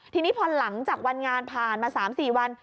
ทีนี้พอหลังจากวันงานผ่านมา๓๔วัน